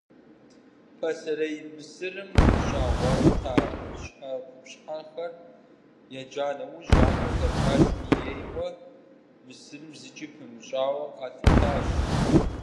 Пасэрей Мысырым къыщагъуэта щхьэ къупщхьэхэр яджа нэужь, ахэр Кавказым ейуэ, Мысырым зыкӀи пымыщӀауэ къалъытащ.